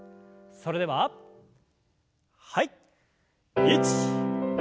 それでははい。